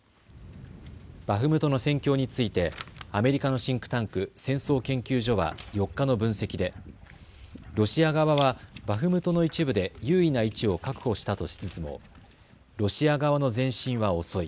バフムトの戦況についてアメリカのシンクタンク、戦争研究所は４日の分析でロシア側はバフムトの一部で優位な位置を確保したとしつつもロシア側の前進は遅い。